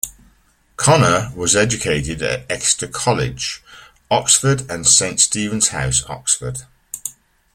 Conner was educated at Exeter College, Oxford and Saint Stephen's House, Oxford.